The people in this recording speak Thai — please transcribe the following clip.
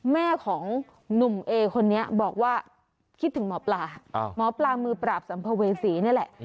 แม่ของหนุ่มเอคนนี้บอกว่าคิดถึงหมอปลาหมอปลามือปราบสัมภเวษีนี่แหละ